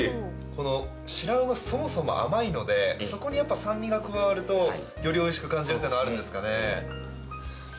このシラウオ、そもそも甘いのでそこに酸味が加わるとよりおいしく感じるっていうのはあるんですかね。